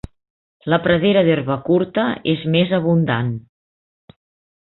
La pradera d'herba curta és més abundant.